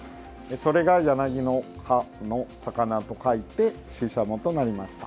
それが柳の葉の魚と書いてシシャモとなりました。